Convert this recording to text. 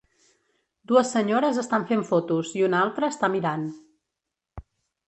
Dues senyores estan fent fotos i una altra està mirant.